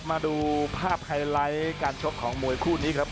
มาดูภาพไฮไลท์การชกของมวยคู่นี้ครับ